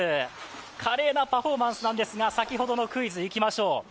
華麗なパフォーマンスなんですが、先ほどのクイズ、いきましょう。